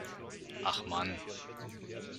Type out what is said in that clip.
Ach Mann.